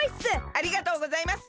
ありがとうございます！